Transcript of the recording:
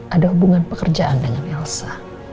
ada hubungan pekerjaan dengan elsa